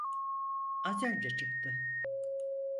Az önce çıktı.